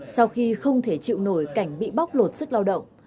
sau khi không thể chịu nổi cảnh bị bóc lột sức lao động